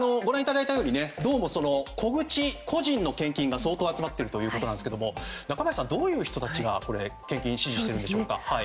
どうも、個人の献金が相当集まっているということですが中林さん、どういう人たちが献金や支持をしているんでしょうか。